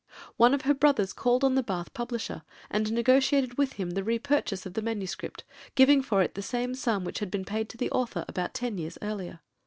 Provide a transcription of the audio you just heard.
One of her brothers called on the Bath publisher and negotiated with him the re purchase of the manuscript, giving for it the same sum which had been paid to the author about ten years earlier.